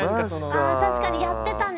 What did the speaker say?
あぁ確かにやってたね。